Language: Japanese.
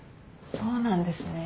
そうなんですね。